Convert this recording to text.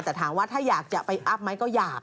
แต่ถ้าถามว่าหากจะไปอัพไหมก็อยาก